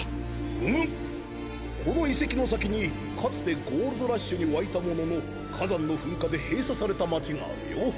うむこの遺跡の先にかつてゴールドラッシュに沸いたものの火山の噴火で閉鎖された町があるよ。